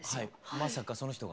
まさかその人が？